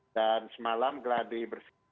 dan semalam gladie bersih